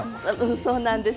そうなんです。